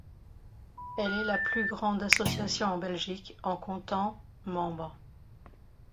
Elle est la plus grande association en Belgique en comptant membres.